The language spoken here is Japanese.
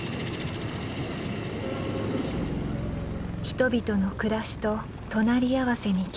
人々の暮らしと隣り合わせに基地がある。